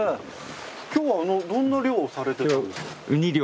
今日はどんな漁をされてるんですか？